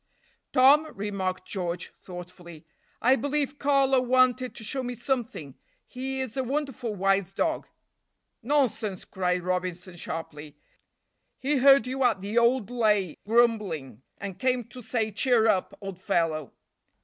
"Tom," remarked George, thoughtfully, "I believe Carlo wanted to show me something; he is a wonderful wise dog." "Nonsense," cried Robinson, sharply, "he heard you at the old lay, grumbling, and came to say cheer up, old fellow."